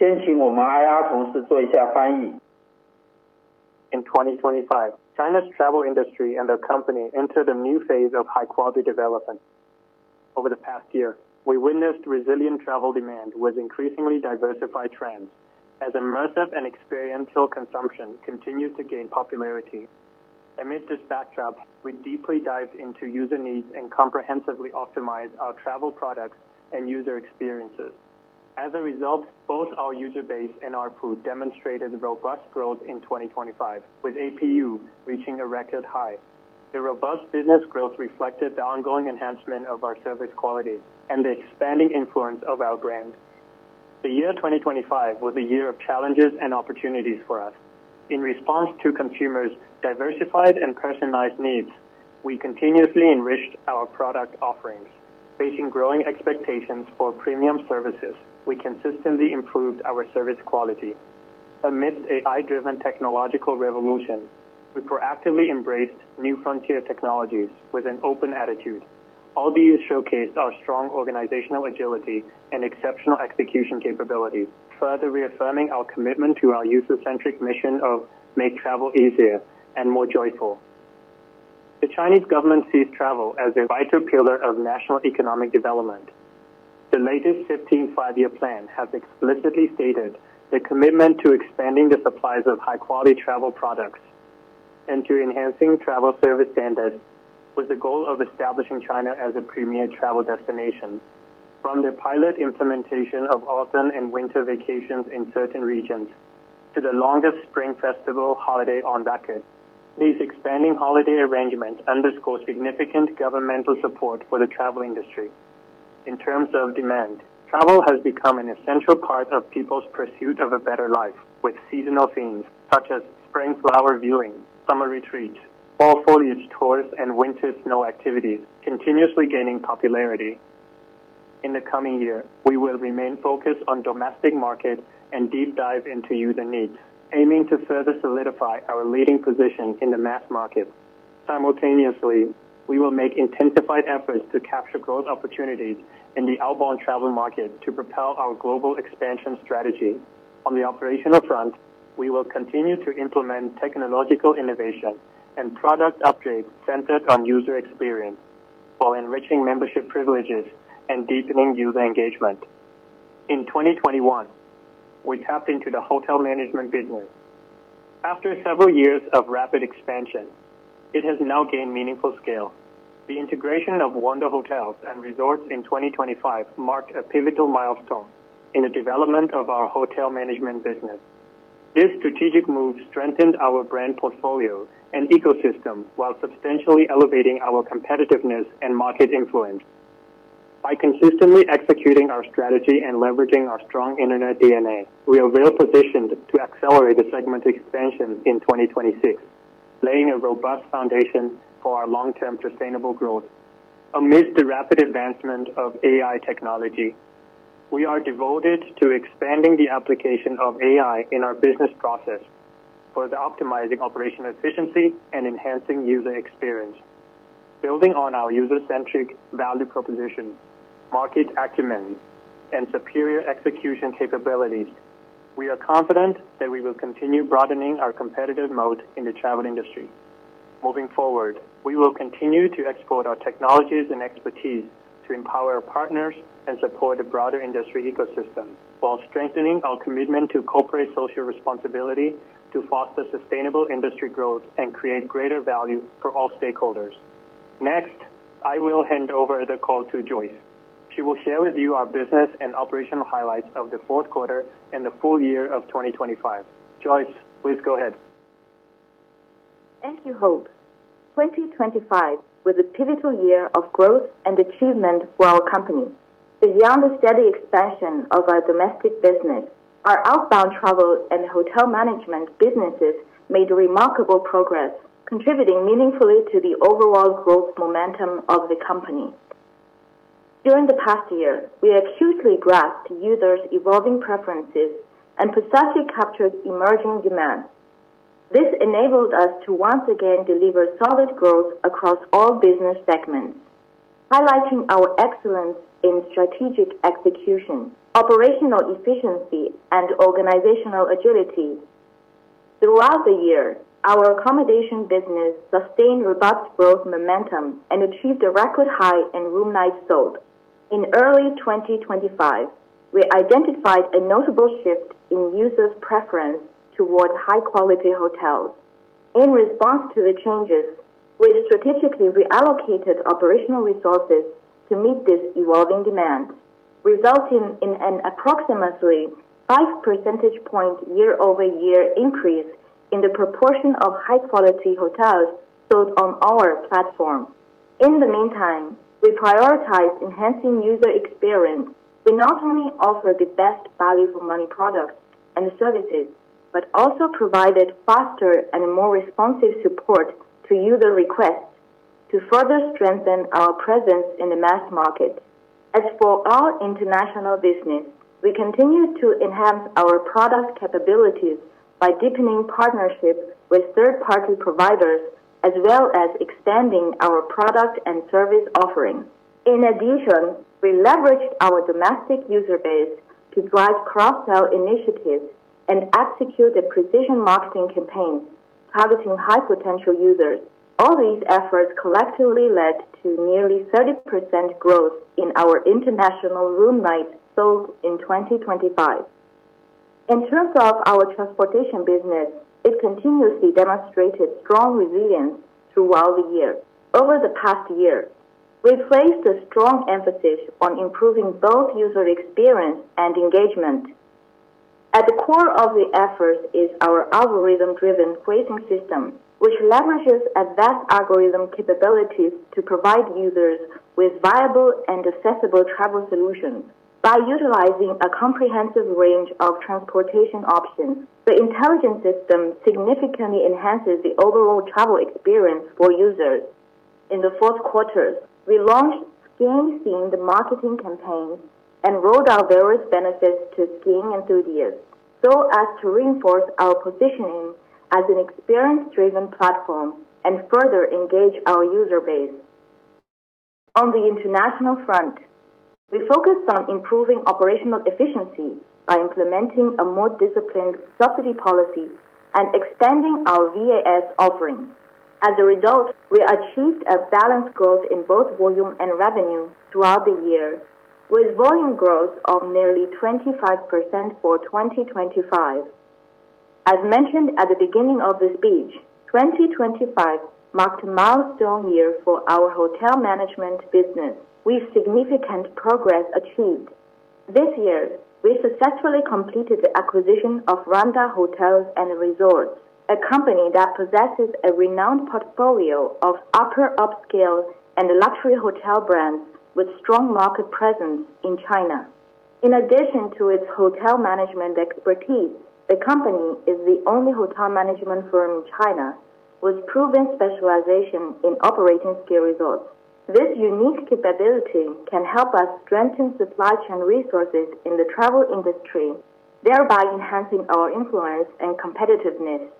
In 2025, China's travel industry and the company entered a new phase of high quality development. Over the past year, we witnessed resilient travel demand with increasingly diversified trends as immersive and experiential consumption continued to gain popularity. Amidst this backdrop, we deeply dive into user needs and comprehensively optimize our travel products and user experiences. As a result, both our user base and our pool demonstrated robust growth in 2025, with APUs reaching a record high. The robust business growth reflected the ongoing enhancement of our service quality and the expanding influence of our brand. The year 2025 was the year of challenges and opportunities for us. In response to consumers' diversified and personalized needs, we continuously enriched our product offerings. Facing growing expectations for premium services, we consistently improved our service quality. Amid AI-driven technological revolution, we proactively embraced new frontier technologies with an open attitude. All these showcased our strong organizational agility and exceptional execution capabilities, further reaffirming our commitment to our user-centric mission of making travel easier and more joyful. The Chinese government sees travel as a vital pillar of national economic development. The latest 15th Five-Year Plan has explicitly stated the commitment to expanding the supplies of high quality travel products and to enhancing travel service standards, with the goal of establishing China as a premier travel destination. From the pilot implementation of autumn and winter vacations in certain regions to the longest Spring Festival holiday on record, these expanding holiday arrangements underscore significant governmental support for the travel industry. In terms of demand, travel has become an essential part of people's pursuit of a better life, with seasonal themes such as spring flower viewing, summer retreat, fall foliage tours, and winter snow activities continuously gaining popularity. In the coming year, we will remain focused on domestic market and deep dive into user needs, aiming to further solidify our leading position in the mass market. Simultaneously, we will make intensified efforts to capture growth opportunities in the outbound travel market to propel our global expansion strategy. On the operational front, we will continue to implement technological innovation and product updates centered on user experience while enriching membership privileges and deepening user engagement. In 2021, we tapped into the hotel management business. After several years of rapid expansion, it has now gained meaningful scale. The integration of Wanda Hotels & Resorts in 2025 marked a pivotal milestone in the development of our hotel management business. This strategic move strengthened our brand portfolio and ecosystem while substantially elevating our competitiveness and market influence. By consistently executing our strategy and leveraging our strong internet DNA, we are well-positioned to accelerate the segment expansion in 2026, laying a robust foundation for our long-term sustainable growth. Amidst the rapid advancement of AI technology, we are devoted to expanding the application of AI in our business process towards optimizing operational efficiency and enhancing user experience. Building on our user-centric value proposition, market acumen, and superior execution capabilities, we are confident that we will continue broadening our competitive moat in the travel industry. Moving forward, we will continue to export our technologies and expertise to empower partners and support a broader industry ecosystem while strengthening our commitment to corporate social responsibility to foster sustainable industry growth and create greater value for all stakeholders. Next, I will hand over the call to Joyce. She will share with you our business and operational highlights of the fourth quarter and the full-year of 2025. Joyce, please go ahead. Thank you, Hope. 2025 was a pivotal year of growth and achievement for our company. Beyond the steady expansion of our domestic business, our outbound travel and hotel management businesses made remarkable progress, contributing meaningfully to the overall growth momentum of the company. During the past year, we acutely grasped users' evolving preferences and precisely captured emerging demand. This enabled us to once again deliver solid growth across all business segments, highlighting our excellence in strategic execution, operational efficiency, and organizational agility. Throughout the year, our accommodation business sustained robust growth momentum and achieved a record high in room nights sold. In early 2025, we identified a notable shift in users' preference towards high-quality hotels. In response to the changes, we strategically reallocated operational resources to meet this evolving demand, resulting in an approximately 5 percentage point year-over-year increase in the proportion of high-quality hotels sold on our platform. In the meantime, we prioritized enhancing user experience. We not only offer the best value for money products and services, but also provided faster and more responsive support to user requests to further strengthen our presence in the mass market. As for our international business, we continue to enhance our product capabilities by deepening partnerships with third-party providers, as well as expanding our product and service offerings. In addition, we leveraged our domestic user base to drive cross-sell initiatives and execute a precision marketing campaign targeting high-potential users. All these efforts collectively led to nearly 30% growth in our international room nights sold in 2025. In terms of our transportation business, it continuously demonstrated strong resilience throughout the year. Over the past year, we placed a strong emphasis on improving both user experience and engagement. At the core of the efforts is our algorithm-driven pricing system, which leverages advanced algorithm capabilities to provide users with viable and accessible travel solutions. By utilizing a comprehensive range of transportation options, the intelligent system significantly enhances the overall travel experience for users. In the fourth quarter, we launched skiing-themed marketing campaigns and rolled out various benefits to skiing enthusiasts so as to reinforce our positioning as an experience-driven platform and further engage our user base. On the international front, we focused on improving operational efficiency by implementing a more disciplined subsidy policy and expanding our VAS offerings. As a result, we achieved a balanced growth in both volume and revenue throughout the year, with volume growth of nearly 25% for 2025. As mentioned at the beginning of the speech, 2025 marked a milestone year for our hotel management business, with significant progress achieved. This year, we successfully completed the acquisition of Wanda Hotels & Resorts, a company that possesses a renowned portfolio of upper upscale and luxury hotel brands with strong market presence in China. In addition to its hotel management expertise, the company is the only hotel management firm in China with proven specialization in operating ski resorts. This unique capability can help us strengthen supply chain resources in the travel industry, thereby enhancing our influence and competitiveness.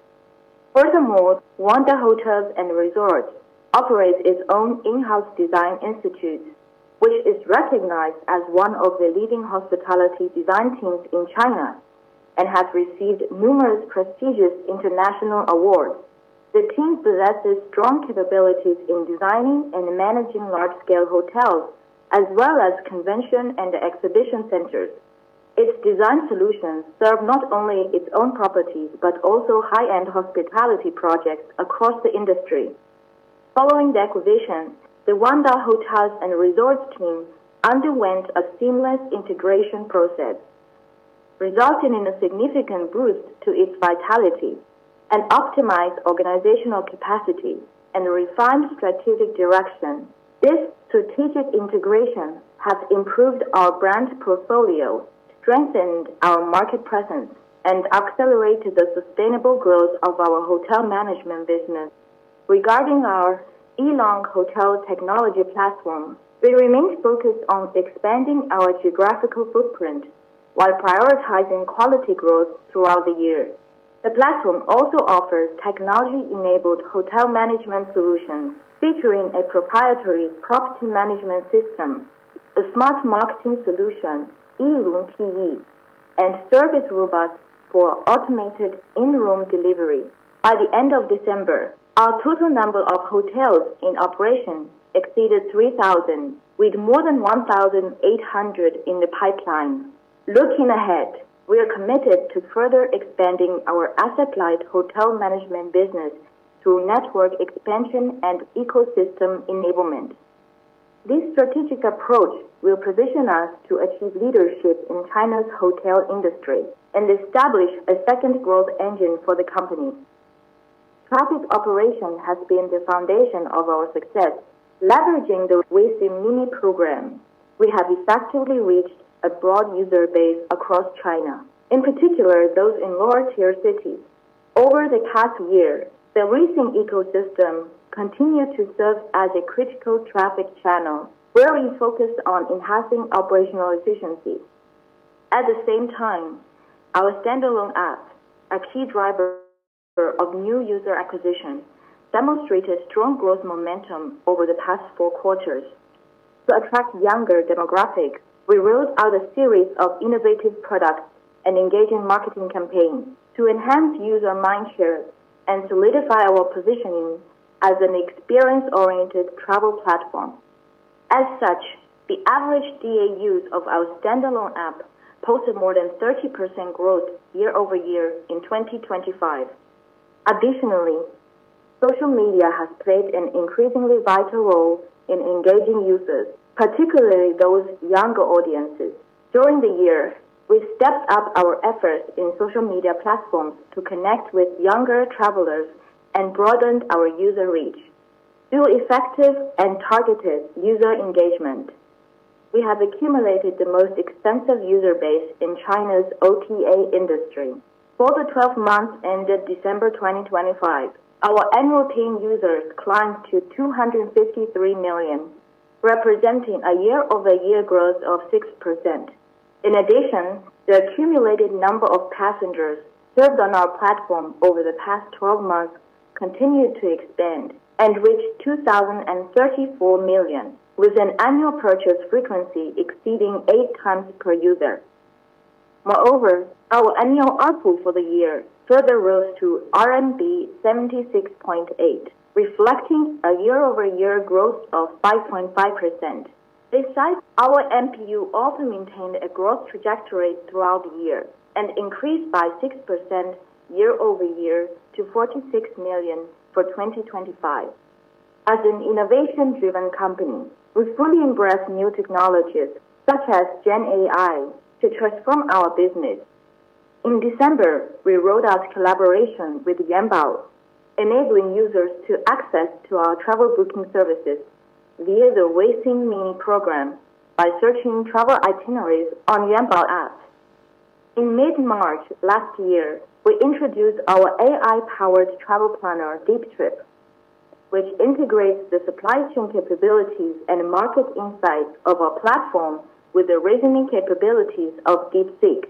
Furthermore, Wanda Hotels & Resorts operates its own in-house design institute, which is recognized as one of the leading hospitality design teams in China and has received numerous prestigious international awards. The team possesses strong capabilities in designing and managing large-scale hotels, as well as convention and exhibition centers. Its design solutions serve not only its own properties, but also high-end hospitality projects across the industry. Following the acquisition, the Wanda Hotels & Resorts team underwent a seamless integration process, resulting in a significant boost to its vitality and optimized organizational capacity and refined strategic direction. This strategic integration has improved our brand portfolio, strengthened our market presence, and accelerated the sustainable growth of our hotel management business. Regarding our eLong Hotel Technology platform, we remain focused on expanding our geographical footprint while prioritizing quality growth throughout the year. The platform also offers technology-enabled hotel management solutions featuring a proprietary property management system, a smart marketing solution, eLong PE, and service robots for automated in-room delivery. By the end of December, our total number of hotels in operation exceeded 3,000, with more than 1,800 in the pipeline. Looking ahead, we are committed to further expanding our asset-light hotel management business through network expansion and ecosystem enablement. This strategic approach will position us to achieve leadership in China's hotel industry and establish a second growth engine for the company. Traffic operation has been the foundation of our success. Leveraging the Weixin Mini Program, we have effectively reached a broad user base across China, in particular, those in lower-tier cities. Over the past year, the Weixin ecosystem continued to serve as a critical traffic channel, where we focused on enhancing operational efficiency. At the same time, our standalone app, a key driver of new user acquisition, demonstrated strong growth momentum over the past four quarters. To attract younger demographics, we rolled out a series of innovative products and engaging marketing campaigns to enhance user mindshare and solidify our positioning as an experience-oriented travel platform. As such, the average DAUs of our standalone app posted more than 30% growth year-over-year in 2025. Additionally, social media has played an increasingly vital role in engaging users, particularly those younger audiences. During the year, we stepped up our efforts in social media platforms to connect with younger travelers and broadened our user reach. Through effective and targeted user engagement, we have accumulated the most extensive user base in China's OTA industry. For the 12 months ended December 2025, our annual paying users climbed to 253 million, representing a year-over-year growth of 6%. In addition, the accumulated number of passengers served on our platform over the past 12 months continued to expand and reached 2,034 million, with an annual purchase frequency exceeding 8x per user. Moreover, our annual ARPU for the year further rose to RMB 76.8, reflecting a year-over-year growth of 5.5%. Besides, our MPU also maintained a growth trajectory throughout the year and increased by 6% year over year to 46 million for 2025. As an innovation-driven company, we fully embrace new technologies such as Gen AI to transform our business. In December, we rolled out collaboration with Yuanbao, enabling users to access our travel booking services via the Weixin Mini Program by searching travel itineraries on Yuanbao app. In mid-March last year, we introduced our AI-powered travel planner, DeepTrip, which integrates the supply chain capabilities and market insights of our platform with the reasoning capabilities of DeepSeek.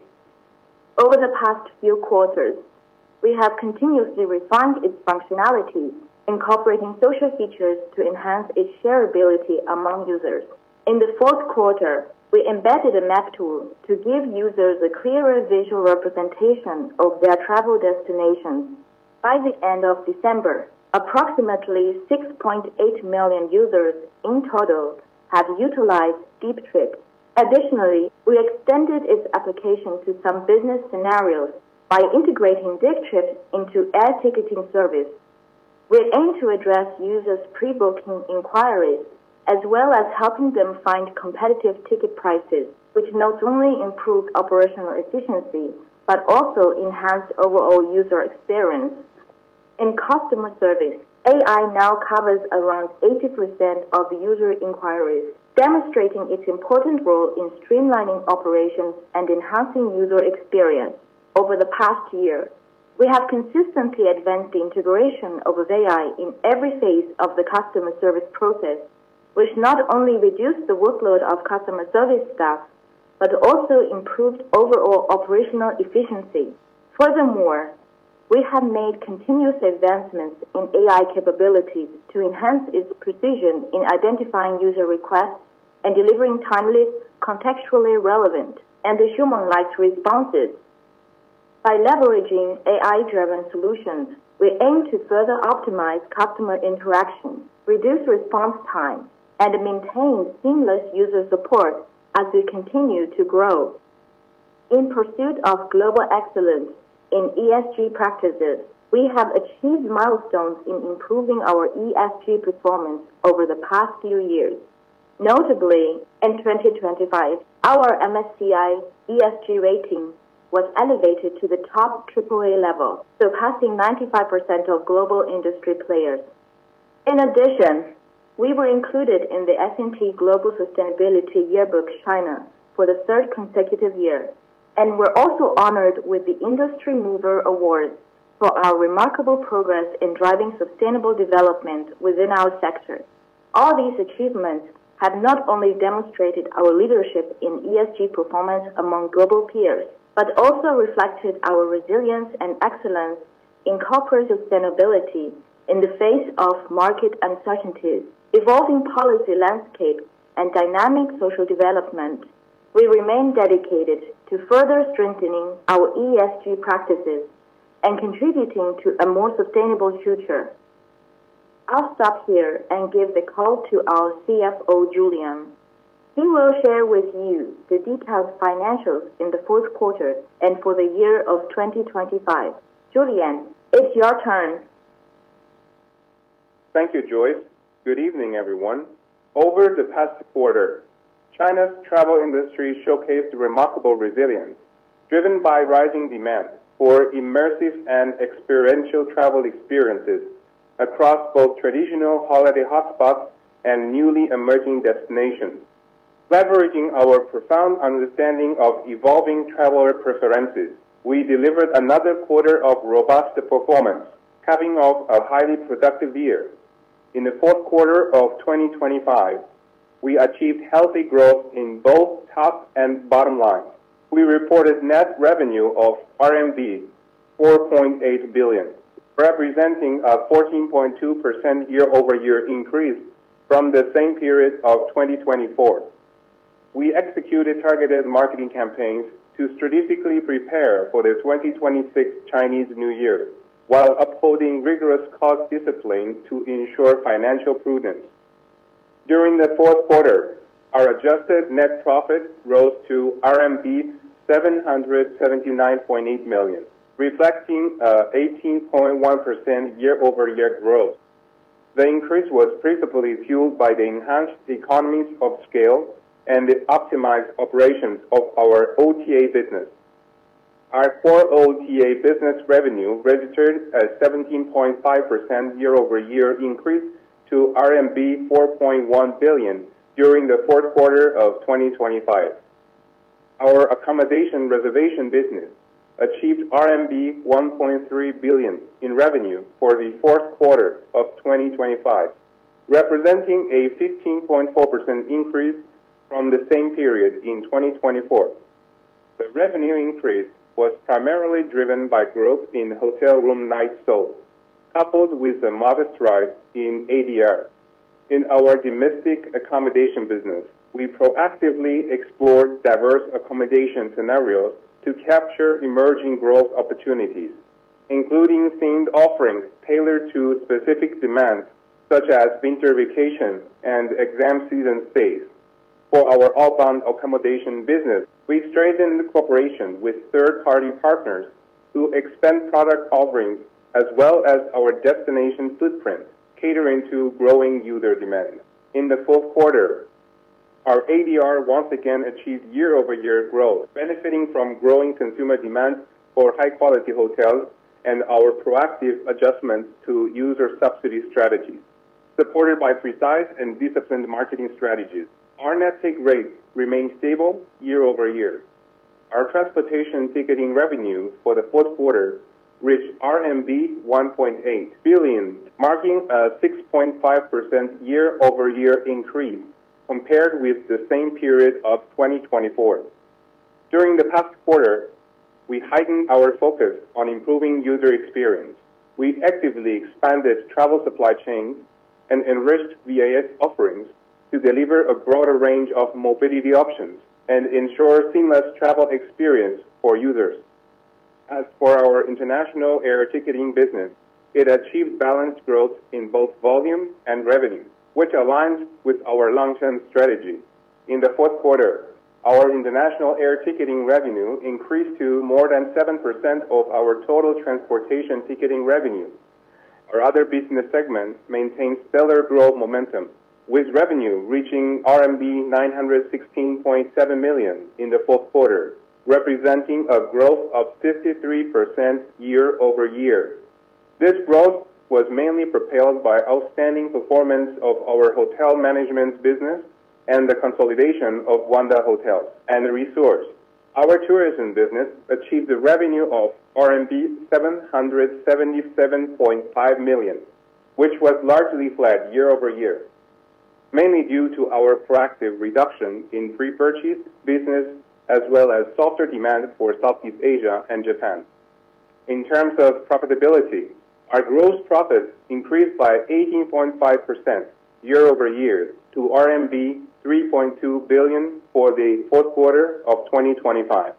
Over the past few quarters, we have continuously refined its functionality, incorporating social features to enhance its shareability among users. In the fourth quarter, we embedded a map tool to give users a clearer visual representation of their travel destinations. By the end of December, approximately 6.8 million users in total have utilized DeepTrip. Additionally, we extended its application to some business scenarios by integrating DeepTrip into air ticketing service. We aim to address users' pre-booking inquiries as well as helping them find competitive ticket prices, which not only improved operational efficiency, but also enhanced overall user experience. In customer service, AI now covers around 80% of user inquiries, demonstrating its important role in streamlining operations and enhancing user experience. Over the past year, we have consistently advanced the integration of AI in every phase of the customer service process, which not only reduced the workload of customer service staff, but also improved overall operational efficiency. Furthermore, we have made continuous advancements in AI capabilities to enhance its precision in identifying user requests and delivering timely, contextually relevant, and human-like responses. By leveraging AI-driven solutions, we aim to further optimize customer interactions, reduce response time, and maintain seamless user support as we continue to grow. In pursuit of global excellence in ESG practices, we have achieved milestones in improving our ESG performance over the past few years. Notably, in 2025, our MSCI ESG rating was elevated to the top AAA level, surpassing 95% of global industry players. In addition, we were included in the S&P Global Sustainability Yearbook China for the third consecutive year, and were also honored with the Industry Mover Award for our remarkable progress in driving sustainable development within our sector. All these achievements have not only demonstrated our leadership in ESG performance among global peers, but also reflected our resilience and excellence in corporate sustainability in the face of market uncertainties, evolving policy landscape, and dynamic social development. We remain dedicated to further strengthening our ESG practices and contributing to a more sustainable future. I'll stop here and give the call to our CFO, Fan Lei. He will share with you the detailed financials in the fourth quarter and for the year of 2025. Julian, it's your turn. Thank you, Joyce. Good evening, everyone. Over the past quarter, China's travel industry showcased remarkable resilience driven by rising demand for immersive and experiential travel experiences across both traditional holiday hotspots and newly emerging destinations. Leveraging our profound understanding of evolving traveler preferences, we delivered another quarter of robust performance, capping off a highly productive year. In the fourth quarter of 2025, we achieved healthy growth in both top and bottom line. We reported net revenue of RMB 4.8 billion, representing a 14.2% year-over-year increase from the same period of 2024. We executed targeted marketing campaigns to strategically prepare for the 2026 Chinese New Year while upholding rigorous cost discipline to ensure financial prudence. During the fourth quarter, our adjusted net profit rose to RMB 779.8 million, reflecting 18.1% year-over-year growth. The increase was principally fueled by the enhanced economies of scale and the optimized operations of our OTA business. Our core OTA business revenue registered a 17.5% year-over-year increase to RMB 4.1 billion during the fourth quarter of 2025. Our accommodation reservation business achieved RMB 1.3 billion in revenue for the fourth quarter of 2025, representing a 15.4% increase from the same period in 2024. The revenue increase was primarily driven by growth in hotel room night sold, coupled with a modest rise in ADR. In our domestic accommodation business, we proactively explored diverse accommodation scenarios to capture emerging growth opportunities, including themed offerings tailored to specific demands such as winter vacation and exam season space. For our outbound accommodation business, we strengthened cooperation with third-party partners to expand product offerings as well as our destination footprint, catering to growing user demand. In the fourth quarter, our ADR once again achieved year-over-year growth, benefiting from growing consumer demand for high-quality hotels and our proactive adjustments to user subsidy strategies. Supported by precise and disciplined marketing strategies, our net take rate remained stable year over year. Our transportation ticketing revenue for the fourth quarter reached RMB 1.8 billion, marking a 6.5% year-over-year increase compared with the same period of 2024. During the past quarter, we heightened our focus on improving user experience. We actively expanded travel supply chains and enriched VAS offerings to deliver a broader range of mobility options and ensure seamless travel experience for users. As for our international air ticketing business, it achieved balanced growth in both volume and revenue, which aligns with our long-term strategy. In the fourth quarter, our international air ticketing revenue increased to more than 7% of our total transportation ticketing revenue. Our other business segments maintained stellar growth momentum, with revenue reaching RMB 916.7 million in the fourth quarter, representing a growth of 53% year-over-year. This growth was mainly propelled by outstanding performance of our hotel management business and the consolidation of Wanda Hotels & Resorts. Our tourism business achieved a revenue of RMB 777.5 million, which was largely flat year-over-year, mainly due to our proactive reduction in pre-purchase business as well as softer demand for Southeast Asia and Japan. In terms of profitability, our gross profit increased by 18.5% year-over-year to RMB 3.2 billion for the fourth quarter of 2025.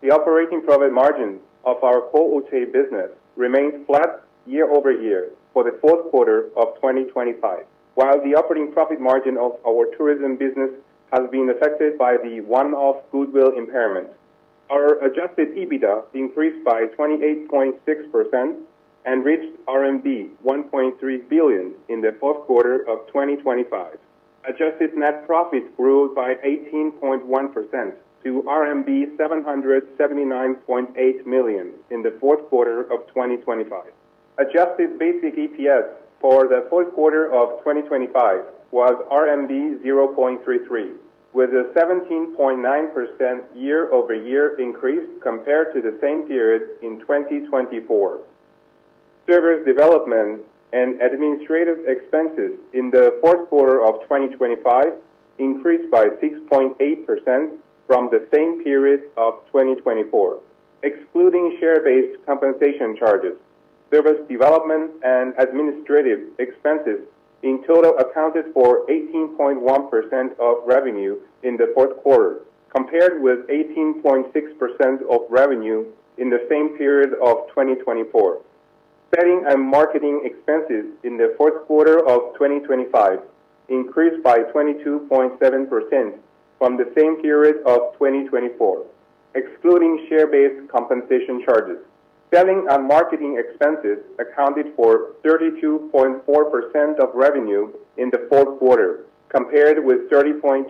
The operating profit margin of our core OTA business remained flat year-over-year for the fourth quarter of 2025, while the operating profit margin of our tourism business has been affected by the one-off goodwill impairment. Our Adjusted EBITDA increased by 28.6% and reached RMB 1.3 billion in the fourth quarter of 2025. Adjusted net profit grew by 18.1% to RMB 779.8 million in the fourth quarter of 2025. Adjusted basic EPS for the fourth quarter of 2025 was RMB 0.33, with a 17.9% year-over-year increase compared to the same period in 2024. Service development and administrative expenses in the fourth quarter of 2025 increased by 6.8% from the same period of 2024. Excluding share-based compensation charges, service development and administrative expenses in total accounted for 18.1% of revenue in the fourth quarter, compared with 18.6% of revenue in the same period of 2024. Selling and marketing expenses in the fourth quarter of 2025 increased by 22.7% from the same period of 2024. Excluding share-based compensation charges, selling and marketing expenses accounted for 32.4% of revenue in the fourth quarter, compared with 30.2%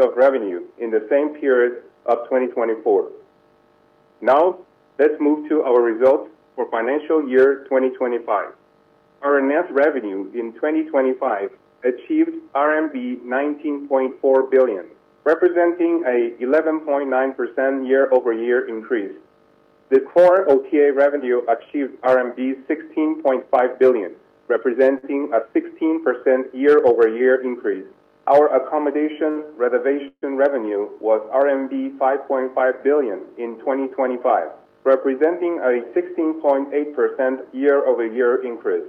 of revenue in the same period of 2024. Now, let's move to our results for financial year 2025. Our net revenue in 2025 achieved RMB 19.4 billion, representing an 11.9% year-over-year increase. The core OTA revenue achieved RMB 16.5 billion, representing a 16% year-over-year increase. Our accommodation reservation revenue was RMB 5.5 billion in 2025, representing a 16.8% year-over-year increase.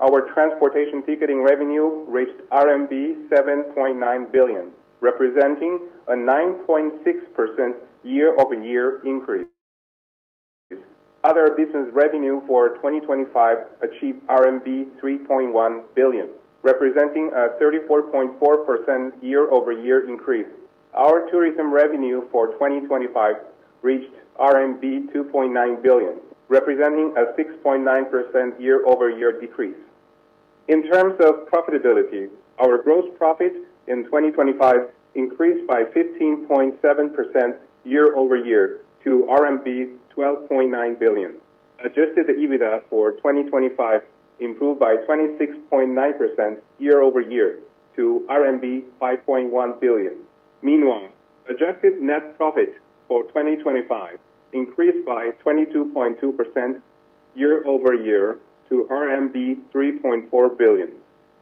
Our transportation ticketing revenue reached RMB 7.9 billion, representing a 9.6% year-over-year increase. Other business revenue for 2025 achieved RMB 3.1 billion, representing a 34.4% year-over-year increase. Our tourism revenue for 2025 reached RMB 2.9 billion, representing a 6.9% year-over-year decrease. In terms of profitability, our gross profit in 2025 increased by 15.7% year-over-year to RMB 12.9 billion. Adjusted EBITDA for 2025 improved by 26.9% year-over-year to RMB 5.1 billion. Adjusted net profit for 2025 increased by 22.2% year-over-year to RMB 3.4 billion.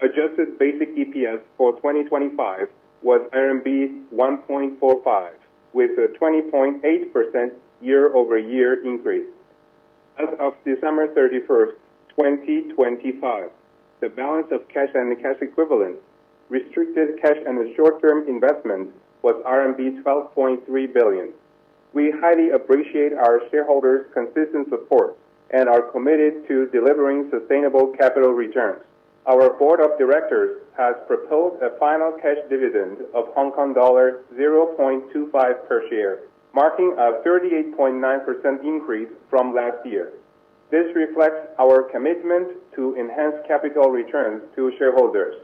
Adjusted basic EPS for 2025 was RMB 1.45, with a 20.8% year-over-year increase. As of December 31st, 2025, the balance of cash and cash equivalents, restricted cash and short-term investments was RMB 12.3 billion. We highly appreciate our shareholders' consistent support and are committed to delivering sustainable capital returns. Our board of directors has proposed a final cash dividend of Hong Kong dollar 0.25 per share, marking a 38.9% increase from last year. This reflects our commitment to enhance capital returns to shareholders.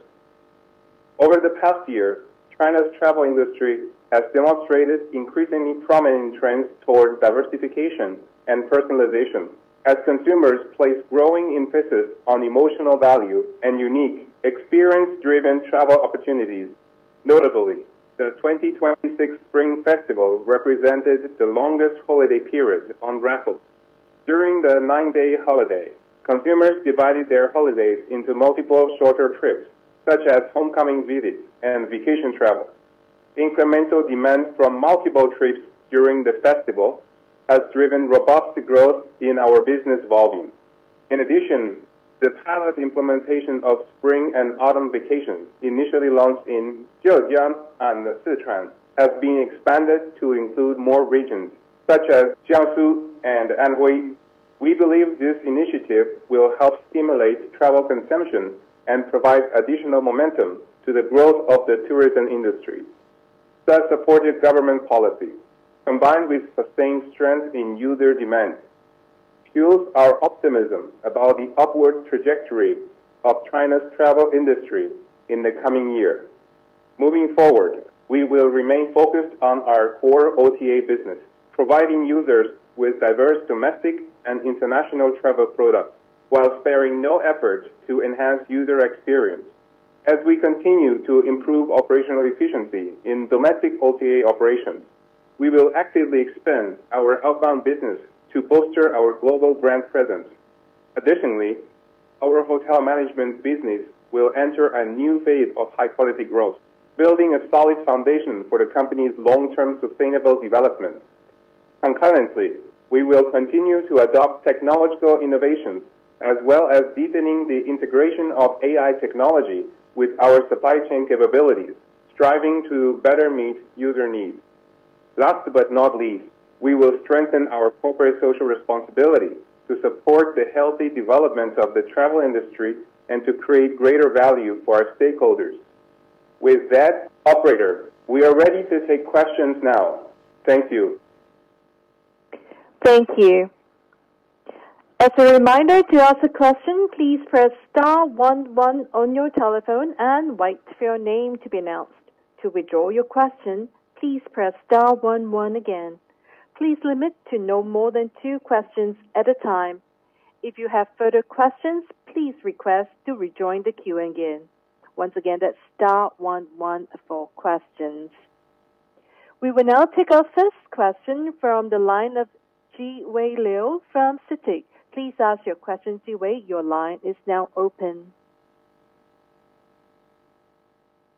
Over the past year, China's travel industry has demonstrated increasingly prominent trends towards diversification and personalization as consumers place growing emphasis on emotional value and unique, experience-driven travel opportunities. Notably, the 2026 Spring Festival represented the longest holiday period on record. During the nine-day holiday, consumers divided their holidays into multiple shorter trips, such as homecoming visits and vacation travel. Incremental demand from multiple trips during the festival has driven robust growth in our business volume. In addition, the pilot implementation of spring and autumn vacations, initially launched in Zhejiang and Sichuan, have been expanded to include more regions, such as Jiangsu and Anhui. We believe this initiative will help stimulate travel consumption and provide additional momentum to the growth of the tourism industry. Thus, supportive government policy, combined with sustained strength in user demand, fuels our optimism about the upward trajectory of China's travel industry in the coming year. Moving forward, we will remain focused on our core OTA business, providing users with diverse domestic and international travel products while sparing no effort to enhance user experience. As we continue to improve operational efficiency in domestic OTA operations, we will actively expand our outbound business to bolster our global brand presence. Additionally, our hotel management business will enter a new phase of high-quality growth, building a solid foundation for the company's long-term sustainable development. Concurrently, we will continue to adopt technological innovations as well as deepening the integration of AI technology with our supply chain capabilities, striving to better meet user needs. Last but not least, we will strengthen our corporate social responsibility to support the healthy development of the travel industry and to create greater value for our stakeholders. With that, operator, we are ready to take questions now. Thank you. Thank you. As a reminder, to ask a question, please press star one one on your telephone and wait for your name to be announced. To withdraw your question, please press star one one again. Please limit to no more than two questions at a time. If you have further questions, please request to rejoin the queue again. Once again, that's star one one for questions. We will now take our first question from the line of Jiawei Liu from CITIC. Please ask your question, Jiawei. Your line is now open.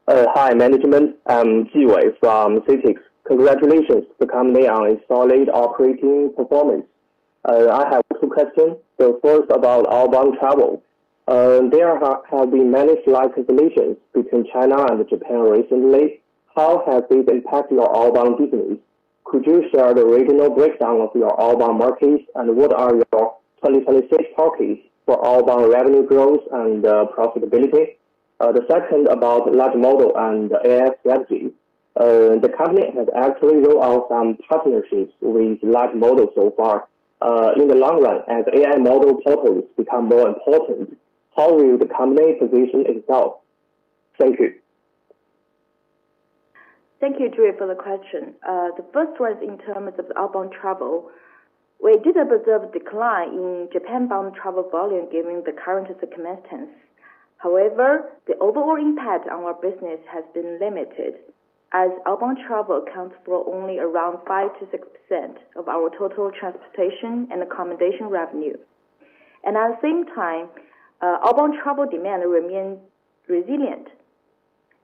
Hi, management. I'm Jiawei Liu from CITIC. Congratulations to the company on a solid operating performance. I have two questions. The first about outbound travel. There have been many slight tensions between China and Japan recently. How has this impacted your outbound business? Could you share the regional breakdown of your outbound markets? And what are your 2026 targets for outbound revenue growth and profitability? The second about large model and AI strategy. The company has actually rolled out some partnerships with large models so far. In the long run, as AI model purpose become more important, how will the company position itself? Thank you. Thank you, Jiawei, for the question. The first was in terms of outbound travel. We did observe a decline in Japan-bound travel volume given the current circumstances. However, the overall impact on our business has been limited as outbound travel accounts for only around 5%-6% of our total transportation and accommodation revenue. At the same time, outbound travel demand remains resilient,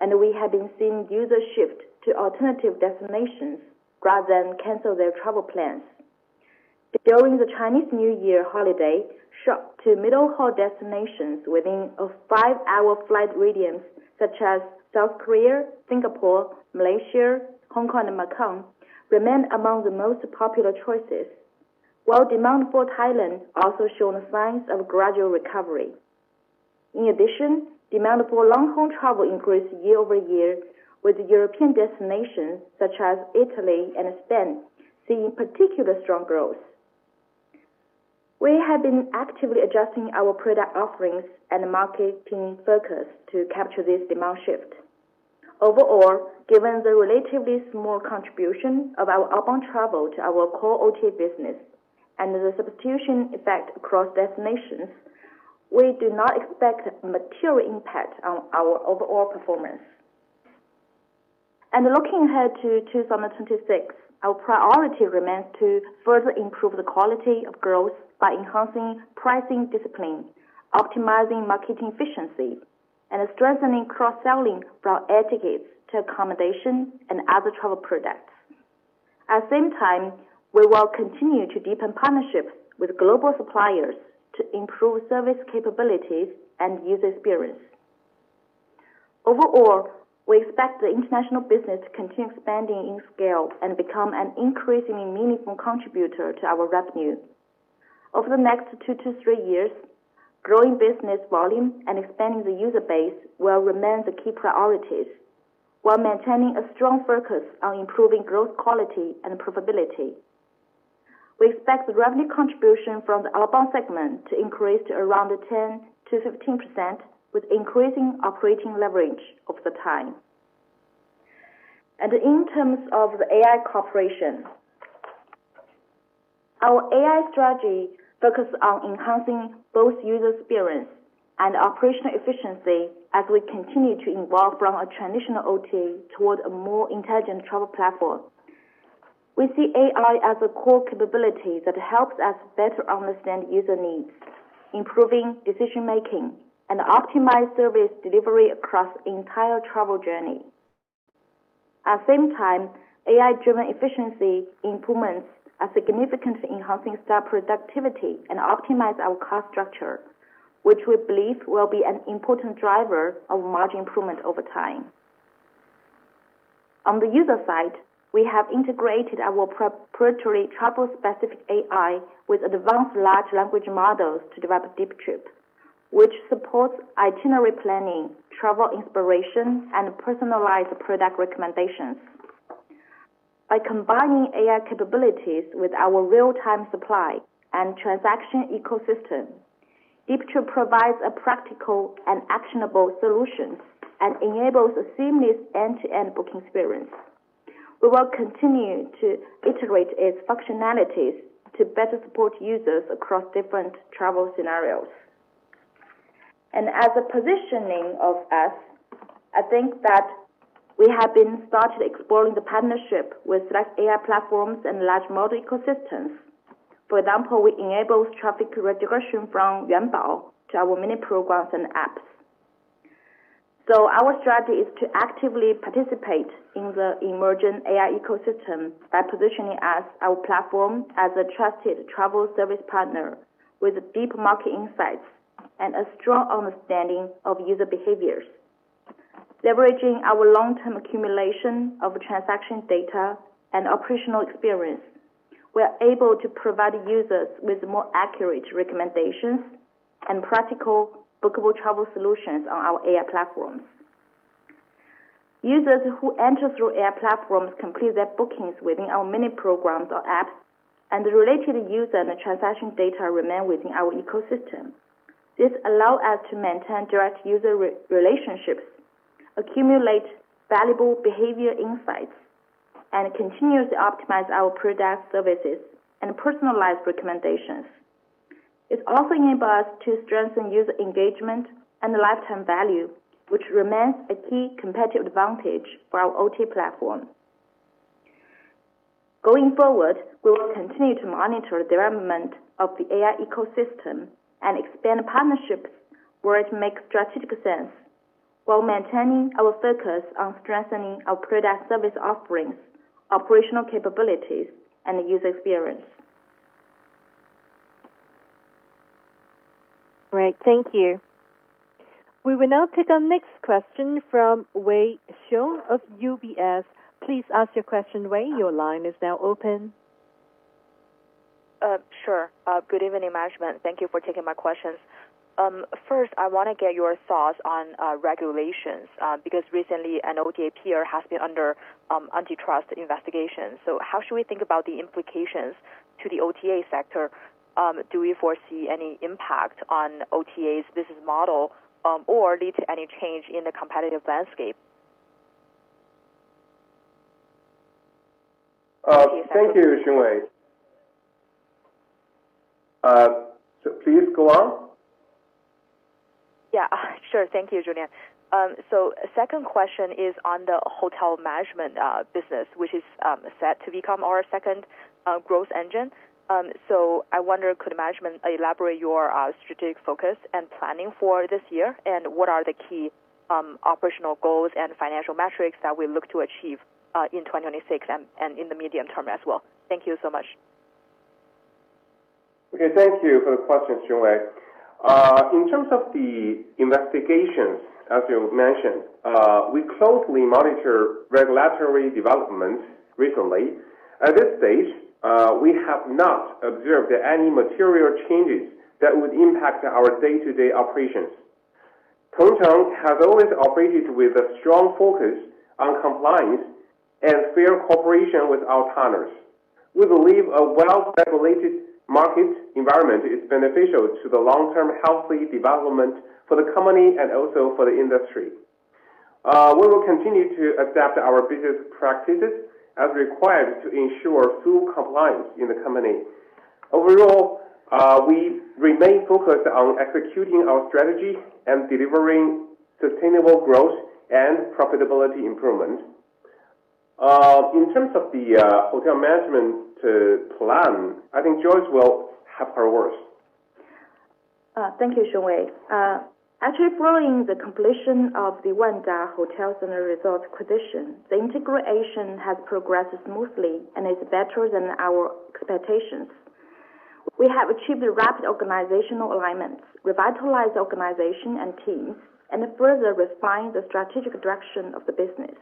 and we have been seeing users shift to alternative destinations rather than cancel their travel plans. During the Chinese New Year holiday, trips to middle-haul destinations within a 5-hour flight radius, such as South Korea, Singapore, Malaysia, Hong Kong, and Macau remained among the most popular choices. While demand for Thailand also shown signs of gradual recovery. In addition, demand for long-haul travel increased year-over-year with European destinations such as Italy and Spain seeing particularly strong growth. We have been actively adjusting our product offerings and marketing focus to capture this demand shift. Overall, given the relatively small contribution of our outbound travel to our core OTA business and the substitution effect across destinations, we do not expect material impact on our overall performance. Looking ahead to 2026, our priority remains to further improve the quality of growth by enhancing pricing discipline, optimizing marketing efficiency, and strengthening cross-selling from air tickets to accommodation and other travel products. At the same time, we will continue to deepen partnerships with global suppliers to improve service capabilities and user experience. Overall, we expect the international business to continue expanding in scale and become an increasingly meaningful contributor to our revenue. Over the next two to three years, growing business volume and expanding the user base will remain the key priorities while maintaining a strong focus on improving growth quality and profitability. We expect the revenue contribution from the outbound segment to increase to around 10%-15% with increasing operating leverage over the time. In terms of the AI cooperation, our AI strategy focuses on enhancing both user experience and operational efficiency as we continue to evolve from a traditional OTA toward a more intelligent travel platform. We see AI as a core capability that helps us better understand user needs, improving decision-making, and optimize service delivery across the entire travel journey. At the same time, AI-driven efficiency improvements are significantly enhancing staff productivity and optimize our cost structure, which we believe will be an important driver of margin improvement over time. On the user side, we have integrated our proprietary travel-specific AI with advanced large language models to develop DeepTrip, which supports itinerary planning, travel inspiration, and personalized product recommendations. By combining AI capabilities with our real-time supply and transaction ecosystem, DeepTrip provides a practical and actionable solution and enables a seamless end-to-end booking experience. We will continue to iterate its functionalities to better support users across different travel scenarios. As positioning ourselves, I think that we have started exploring the partnership with select AI platforms and large model ecosystems. For example, we enable traffic redirection from Yuanbao to our mini programs and apps. Our strategy is to actively participate in the emerging AI ecosystem by positioning ourselves, our platform, as a trusted travel service partner with deep market insights and a strong understanding of user behaviors. Leveraging our long-term accumulation of transaction data and operational experience, we are able to provide users with more accurate recommendations and practical bookable travel solutions on our AI platforms. Users who enter through AI platforms complete their bookings within our mini programs or apps, and the related user and transaction data remain within our ecosystem. This allows us to maintain direct user relationships, accumulate valuable behavior insights, and continuously optimize our product services and personalized recommendations. It also enables us to strengthen user engagement and lifetime value, which remains a key competitive advantage for our OTA platform. Going forward, we will continue to monitor the development of the AI ecosystem and expand partnerships where it makes strategic sense while maintaining our focus on strengthening our product service offerings, operational capabilities, and user experience. Right. Thank you. We will now take our next question from Wei Xiong of UBS. Please ask your question, Wei. Your line is now open. Sure. Good evening, management. Thank you for taking my questions. First, I wanna get your thoughts on regulations, because recently an OTA peer has been under antitrust investigation. How should we think about the implications to the OTA sector? Do we foresee any impact on OTA's business model, or lead to any change in the competitive landscape? Thank you, Wei Xiong. Please go on. Yeah, sure. Thank you, Julian. Second question is on the hotel management business, which is set to become our second growth engine. I wonder, could management elaborate your strategic focus and planning for this year? What are the key operational goals and financial metrics that we look to achieve in 2026 and in the medium term as well? Thank you so much. Okay. Thank you for the questions, Wei Xiong. In terms of the investigations, as you mentioned, we closely monitor regulatory developments recently. At this stage, we have not observed any material changes that would impact our day-to-day operations. Tongcheng has always operated with a strong focus on compliance and fair cooperation with our partners. We believe a well-regulated market environment is beneficial to the long-term healthy development for the company and also for the industry. We will continue to adapt our business practices as required to ensure full compliance in the company. Overall, we remain focused on executing our strategy and delivering sustainable growth and profitability improvement. In terms of the hotel management plan, I think Joyce will have her words. Thank you, Wei Xiong. Actually following the completion of the Wanda Hotels & Resorts acquisition, the integration has progressed smoothly and is better than our expectations. We have achieved rapid organizational alignment, revitalized organization and teams, and further refined the strategic direction of the business.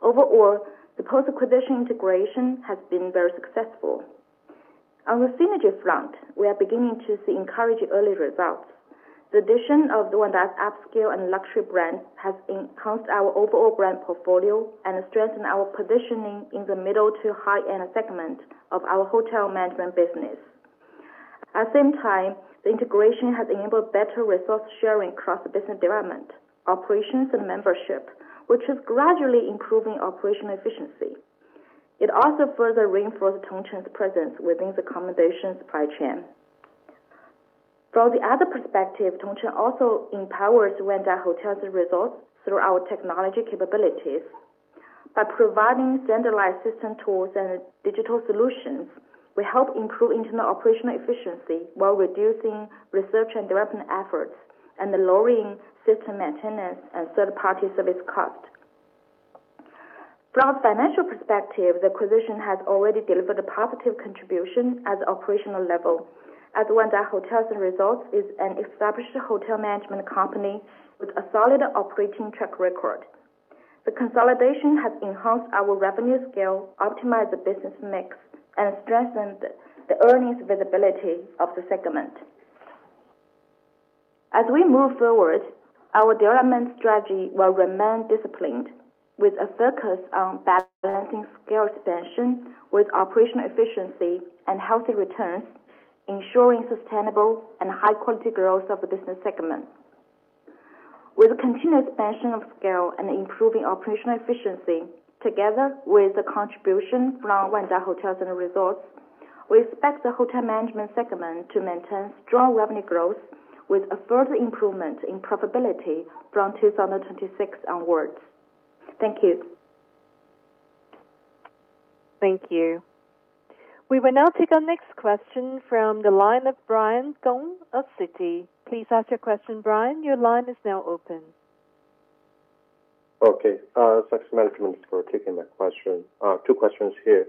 Overall, the post-acquisition integration has been very successful. On the synergy front, we are beginning to see encouraging early results. The addition of Wanda's upscale and luxury brand has enhanced our overall brand portfolio and strengthened our positioning in the middle to high-end segment of our hotel management business. At the same time, the integration has enabled better resource sharing across business development, operations and membership, which is gradually improving operational efficiency. It also further reinforces Tongcheng's presence within the accommodation supply chain. From the other perspective, Tongcheng also empowers Wanda Hotels & Resorts through our technology capabilities. By providing standardized system tools and digital solutions, we help improve internal operational efficiency while reducing research and development efforts and lowering system maintenance and third-party service costs. From a financial perspective, the acquisition has already delivered a positive contribution at the operational level as Wanda Hotels & Resorts is an established hotel management company with a solid operating track record. The consolidation has enhanced our revenue scale, optimized the business mix, and strengthened the earnings visibility of the segment. As we move forward, our development strategy will remain disciplined with a focus on balancing scale expansion with operational efficiency and healthy returns, ensuring sustainable and high quality growth of the business segment. With the continued expansion of scale and improving operational efficiency, together with the contribution from Wanda Hotels & Resorts, we expect the hotel management segment to maintain strong revenue growth with a further improvement in profitability from 2026 onwards. Thank you. Thank you. We will now take our next question from the line of Brian Gong of Citi. Please ask your question, Brian. Your line is now open. Thanks very much for taking my question. Two questions here.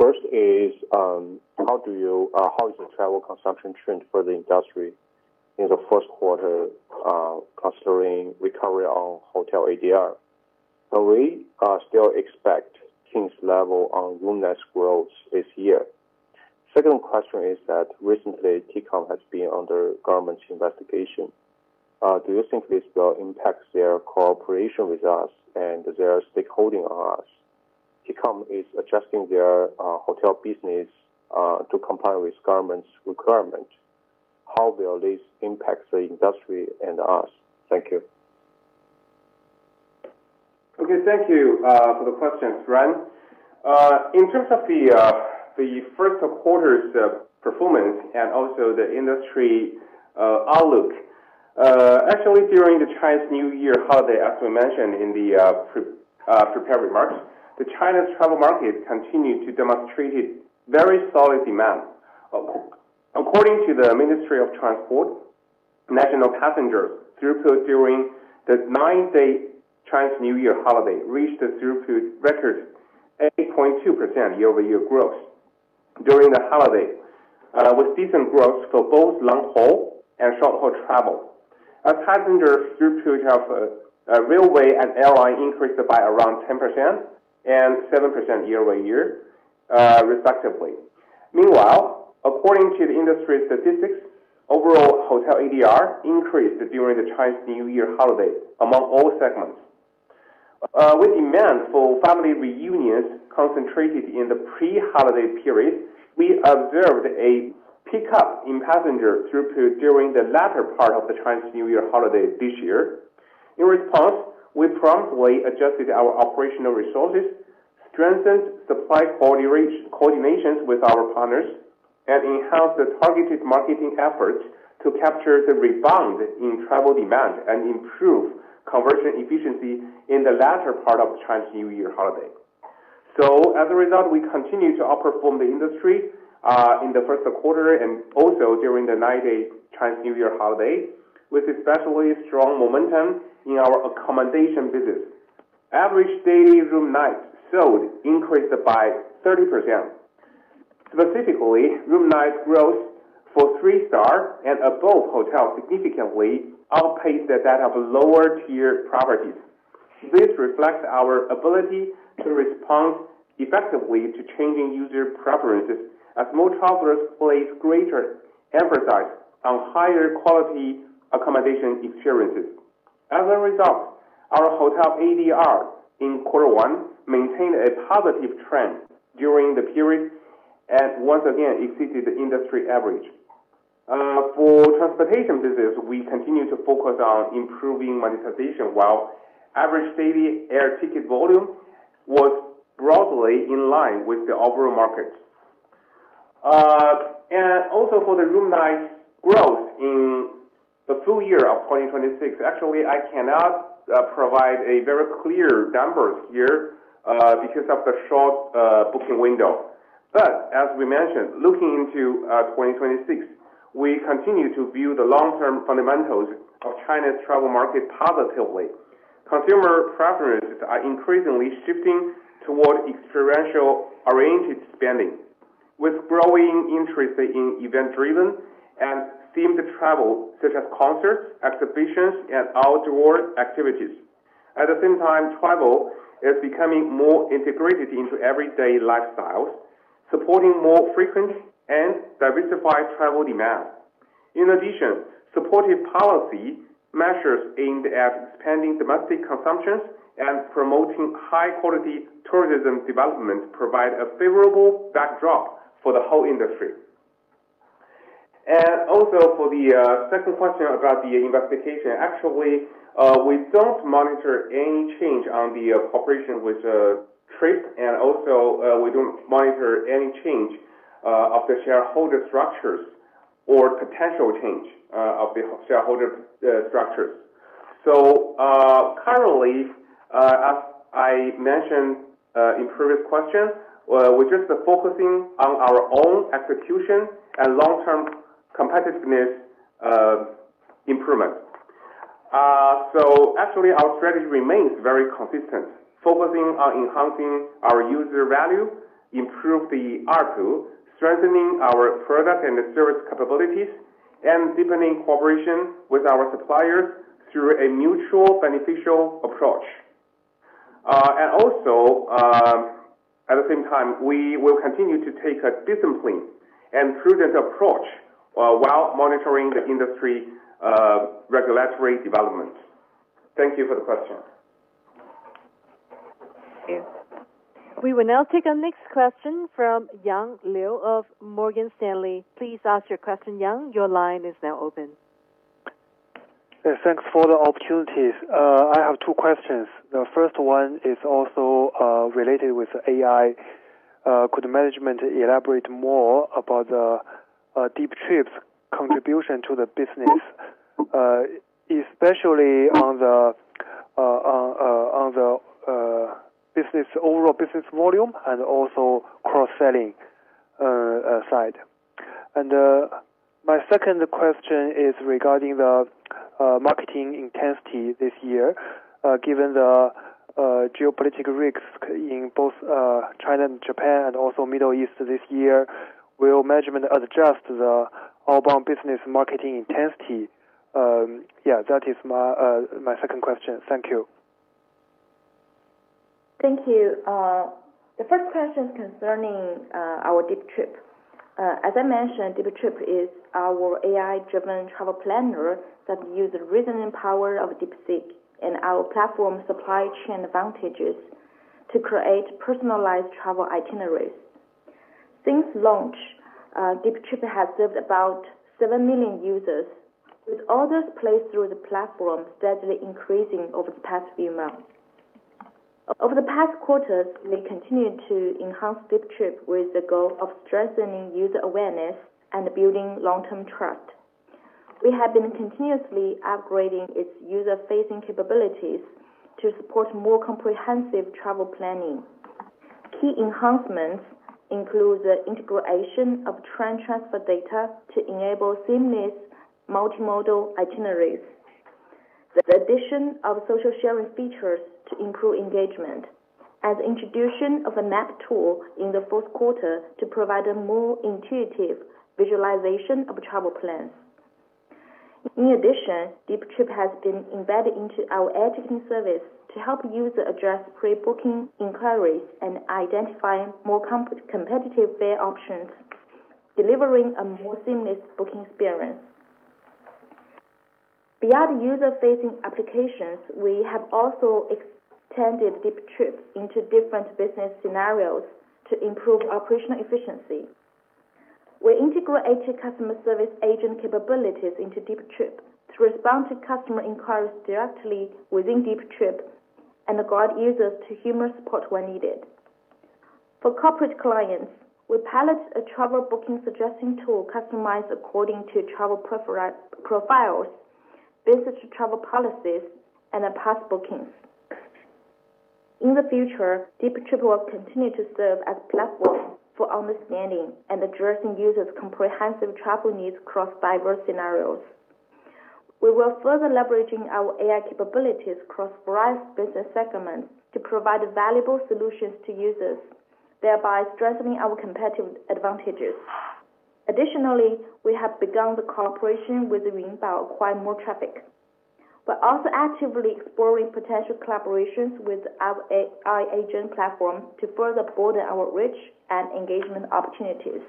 First is, how is the travel consumption trend for the industry in the first quarter, considering recovery on hotel ADR? We still expect 10%-level room nights growth this year. Second question is that recently TCOM has been under government's investigation. Do you think this will impact their cooperation with us and their stakeholding on us? TCOM is adjusting their hotel business to comply with government's requirement. How will this impact the industry and us? Thank you. Okay. Thank you for the questions, Brian. In terms of the first quarter's performance and also the industry outlook, actually during the Chinese New Year holiday, as we mentioned in the prepared remarks, China's travel market continued to demonstrate a very solid demand. According to the Ministry of Transport, national passenger throughput during the nine-day Chinese New Year holiday reached a throughput record, 8.2% year-over-year growth during the holiday, with decent growth for both long-haul and short-haul travel. Passenger throughput of railway and airline increased by around 10% and 7% year-over-year, respectively. Meanwhile, according to the industry statistics, overall hotel ADR increased during the Chinese New Year holiday among all segments. With demand for family reunions concentrated in the pre-holiday period, we observed a pickup in passenger throughput during the latter part of the Chinese New Year holiday this year. In response, we promptly adjusted our operational resources, strengthened supply quality and coordination with our partners, and enhanced the targeted marketing efforts to capture the rebound in travel demand and improve conversion efficiency in the latter part of the Chinese New Year holiday. We continued to outperform the industry in the first quarter and also during the nine-day Chinese New Year holiday, with especially strong momentum in our accommodation business. Average daily room nights sold increased by 30%. Specifically, room night growth for three-star and above hotels significantly outpaced that of lower tier properties. This reflects our ability to respond effectively to changing user preferences as more travelers place greater emphasis on higher quality accommodation experiences. As a result, our hotel ADR in quarter one maintained a positive trend during the period and once again exceeded the industry average. For transportation business, we continue to focus on improving monetization while average daily air ticket volume was broadly in line with the overall market. For the room night growth in the full year of 2026, actually, I cannot provide a very clear numbers here because of the short booking window. As we mentioned, looking into 2026, we continue to view the long-term fundamentals of China's travel market positively. Consumer preferences are increasingly shifting toward experiential arranged spending, with growing interest in event-driven and themed travel, such as concerts, exhibitions, and outdoor activities. At the same time, travel is becoming more integrated into everyday lifestyles, supporting more frequent and diversified travel demand. In addition, supportive policy measures aimed at expanding domestic consumptions and promoting high-quality tourism development provide a favorable backdrop for the whole industry. Also for the second question about the investigation, actually, we don't monitor any change on the cooperation with Trip. Also, we don't monitor any change of the shareholder structures or potential change of the shareholder structures. Currently, as I mentioned in previous question, we're just focusing on our own execution and long-term competitiveness improvement. Actually our strategy remains very consistent, focusing on enhancing our user value, improve the ARPU, strengthening our product and service capabilities and deepening cooperation with our suppliers through a mutual beneficial approach. At the same time, we will continue to take a disciplined and prudent approach while monitoring the industry regulatory developments. Thank you for the question. Yes. We will now take our next question from Yang Liu of Morgan Stanley. Please ask your question, Yang. Your line is now open. Yes, thanks for the opportunity. I have two questions. The first one is also related with AI. Could management elaborate more about the DeepTrip's contribution to the business, especially on the overall business volume and also cross-selling side? My second question is regarding the marketing intensity this year, given the geopolitical risks in both China and Japan, and also Middle East this year. Will management adjust the outbound business marketing intensity? Yeah, that is my second question. Thank you. Thank you. The first question concerning our DeepTrip. As I mentioned, DeepTrip is our AI-driven travel planner that uses reasoning power of DeepSeek and our platform supply chain advantages to create personalized travel itineraries. Since launch, DeepTrip has served about 7 million users, with orders placed through the platform steadily increasing over the past few months. Over the past quarters, we continued to enhance DeepTrip with the goal of strengthening user awareness and building long-term trust. We have been continuously upgrading its user-facing capabilities to support more comprehensive travel planning. Key enhancements include the integration of train transfer data to enable seamless multimodal itineraries. The addition of social sharing features to improve engagement and introduction of a map tool in the fourth quarter to provide a more intuitive visualization of travel plans. In addition, DeepTrip has been embedded into our editing service to help users address pre-booking inquiries and identifying more competitive fare options, delivering a more seamless booking experience. Beyond user-facing applications, we have also extended DeepTrip into different business scenarios to improve operational efficiency. We integrate customer service agent capabilities into DeepTrip to respond to customer inquiries directly within DeepTrip and guide users to human support when needed. For corporate clients, we pilot a travel booking suggesting tool customized according to travel profiles, business travel policies, and past bookings. In the future, DeepTrip will continue to serve as a platform for understanding and addressing users' comprehensive travel needs across diverse scenarios. We will further leverage our AI capabilities across various business segments to provide valuable solutions to users, thereby strengthening our competitive advantages. Additionally, we have begun the cooperation with Yuanbao to acquire more traffic. We're also actively exploring potential collaborations with our AI agent platform to further broaden our reach and engagement opportunities.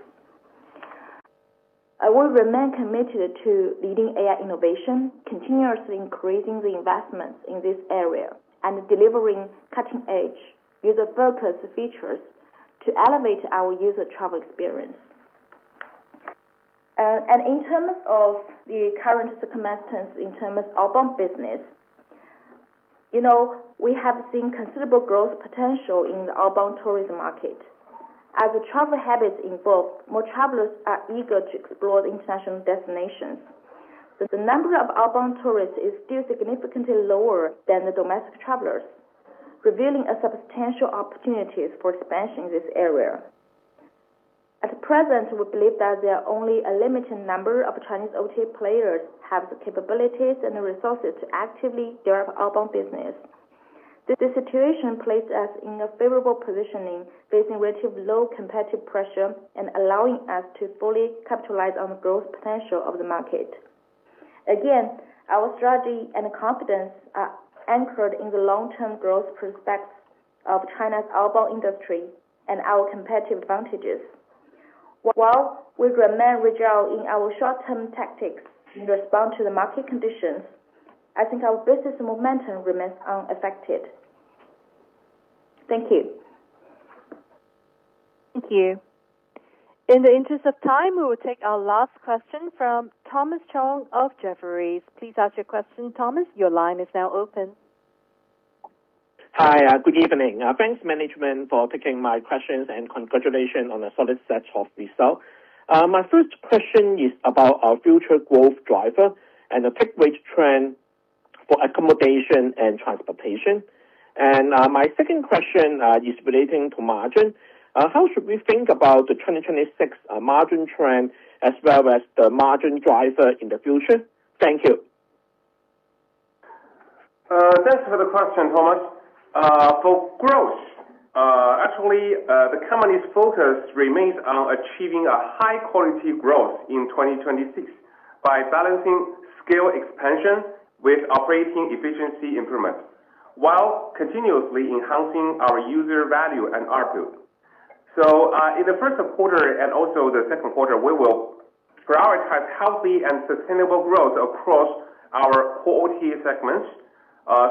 I will remain committed to leading AI innovation, continuously increasing the investments in this area and delivering cutting-edge user-focused features to elevate our user travel experience. In terms of the current circumstance of outbound business, you know, we have seen considerable growth potential in the outbound tourism market. As travel habits evolve, more travelers are eager to explore international destinations. The number of outbound tourists is still significantly lower than the domestic travelers, revealing a substantial opportunities for expansion in this area. At present, we believe that there are only a limited number of Chinese OTA players have the capabilities and the resources to actively drive outbound business. The situation placed us in a favorable positioning, facing relatively low competitive pressure and allowing us to fully capitalize on the growth potential of the market. Again, our strategy and confidence are anchored in the long-term growth prospects of China's outbound industry and our competitive advantages. While we remain vigilant in our short-term tactics in response to the market conditions, I think our business momentum remains unaffected. Thank you. Thank you. In the interest of time, we will take our last question from Thomas Chong of Jefferies. Please ask your question, Thomas. Your line is now open. Hi, good evening. Thanks management for taking my questions and congratulations on the solid set of results. My first question is about our future growth driver and the take rate trend for accommodation and transportation. My second question is relating to margin. How should we think about the 2026 margin trend as well as the margin driver in the future? Thank you. Thanks for the question, Thomas. For growth, actually, the company's focus remains on achieving a high quality growth in 2026 by balancing scale expansion with operating efficiency improvements, while continuously enhancing our user value and ARPU. In the first quarter and also the second quarter, we will prioritize healthy and sustainable growth across our core OTA segments,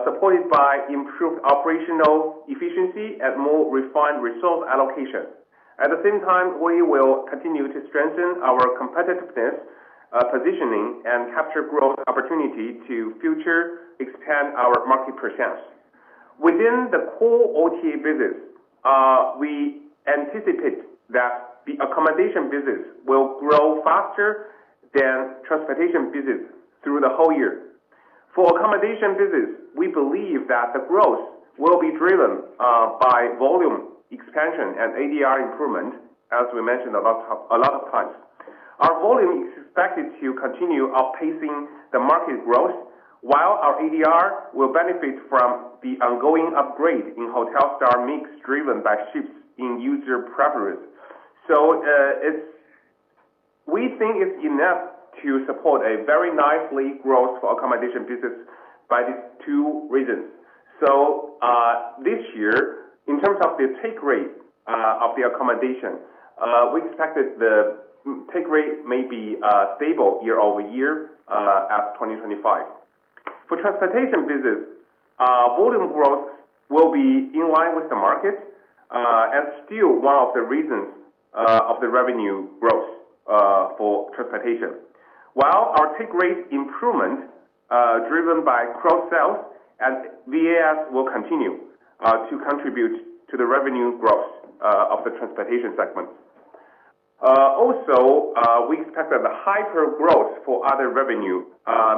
supported by improved operational efficiency and more refined resource allocation. At the same time, we will continue to strengthen our competitiveness, positioning, and capture growth opportunity to further expand our market presence. Within the core OTA business, we anticipate that the accommodation business will grow faster than transportation business through the whole year. For accommodation business, we believe that the growth will be driven by volume expansion and ADR improvement, as we mentioned a lot of times. Our volume is expected to continue outpacing the market growth, while our ADR will benefit from the ongoing upgrade in hotel star mix, driven by shifts in user preference. We think it's enough to support a very nicely growth for accommodation business by these two reasons. This year, in terms of the take rate of the accommodation, we expect that the take rate may be stable year-over-year as 2025. For transportation business, volume growth will be in line with the market and still one of the reasons of the revenue growth for transportation. While our take rate improvement, driven by cross-sell and VAS, will continue to contribute to the revenue growth of the transportation segment. Also, we expect that the hypergrowth for other revenue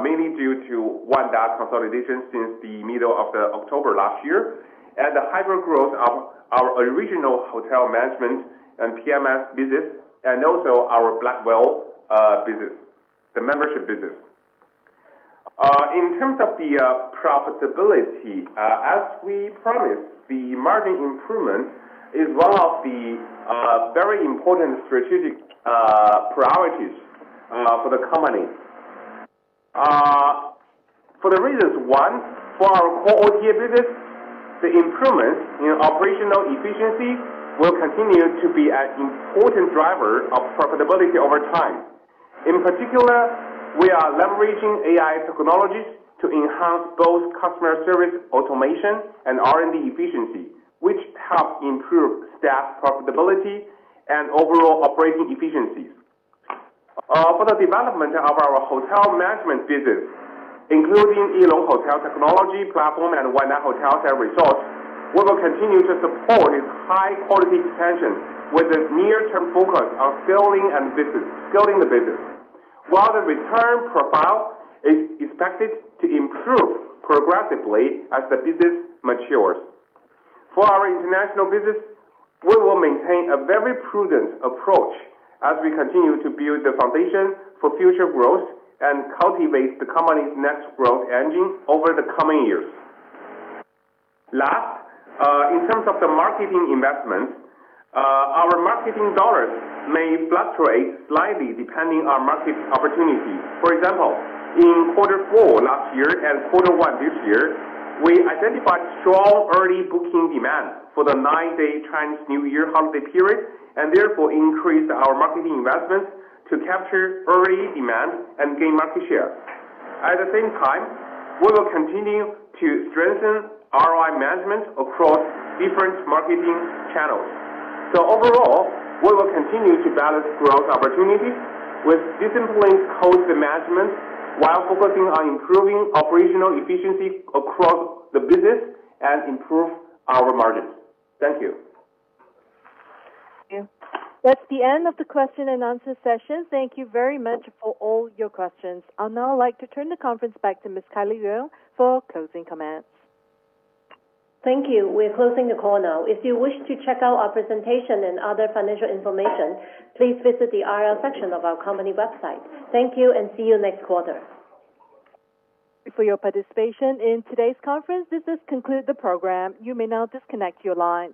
mainly due to our data consolidation since the middle of October last year, and the hypergrowth of our original hotel management and PMS business and also our Black Whale business, the membership business. In terms of the profitability, as we promised, the margin improvement is one of the very important strategic priorities for the company. For one, for our core OTA business, the improvements in operational efficiency will continue to be an important driver of profitability over time. In particular, we are leveraging AI technologies to enhance both customer service automation and R&D efficiency, which help improve staff productivity and overall operating efficiencies. For the development of our hotel management business, including eLong hotel technology platform and Wanda Hotels & Resorts, we will continue to support its high-quality expansion with a near-term focus on scaling the business, while the return profile is expected to improve progressively as the business matures. For our international business, we will maintain a very prudent approach as we continue to build the foundation for future growth and cultivate the company's next growth engine over the coming years. Last, in terms of the marketing investment, our marketing dollars may fluctuate slightly depending on market opportunities. For example, in quarter four last year and quarter one this year, we identified strong early booking demand for the nine-day Chinese New Year holiday period, and therefore increased our marketing investments to capture early demand and gain market share. At the same time, we will continue to strengthen ROI management across different marketing channels. Overall, we will continue to balance growth opportunities with disciplined cost management while focusing on improving operational efficiency across the business and improve our margins. Thank you. Thank you. That's the end of the question and answer session. Thank you very much for all your questions. I'll now like to turn the conference back to Ms. Kylie Yeung for closing comments. Thank you. We're closing the call now. If you wish to check out our presentation and other financial information, please visit the IR section of our company website. Thank you and see you next quarter. For your participation in today's conference, this does conclude the program. You may now disconnect your line.